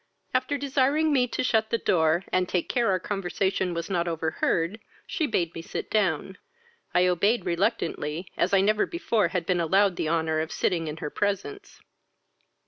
After desiring me to shut the door, and take care our conversation was not overheard, she bade me sit down; I obeyed reluctantly, as I never before had been allowed the honour of sitting in her presence.